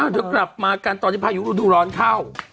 อ้าวเดี๋ยวกลับมากันตอนที่พายุรุดร้อนเข้า